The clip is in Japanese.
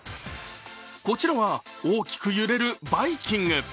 こちらは大きく揺れるバイキング。